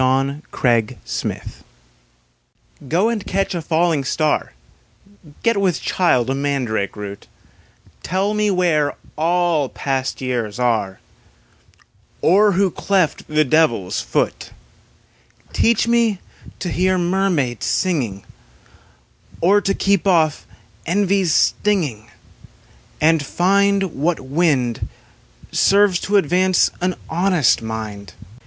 380 Satire SONG Qo and catch a falling star, Get with child a mandrake root; Tell me where all past years are, Or who cleft the Devil's foot; Teach me to hear Mermaids singing,^ â Or to keep off envy's stinging. And find What wind Serves to advance an honest mind.